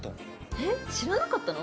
えっ知らなかったの？